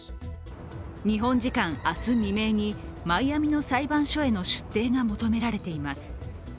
日本時間明日未明にマイアミの裁判所への出廷が求められています。